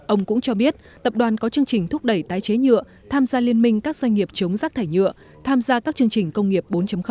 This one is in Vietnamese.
ông cũng cho biết tập đoàn có chương trình thúc đẩy tái chế nhựa tham gia liên minh các doanh nghiệp chống rác thải nhựa tham gia các chương trình công nghiệp bốn